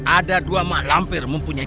ada dua mak lampir mempunyai